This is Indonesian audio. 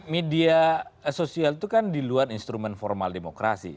media sosial itu kan diluar instrumen formal demokrasi